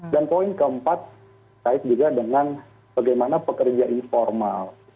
dan poin keempat kait juga dengan bagaimana pekerja informal